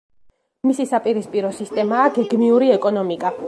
მისი საპირისპირო სისტემაა გეგმიური ეკონომიკა.